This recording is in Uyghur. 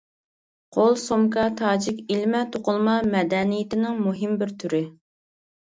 قول سومكا تاجىك ئىلمە توقۇلما مەدەنىيىتىنىڭ مۇھىم بىر تۈرى.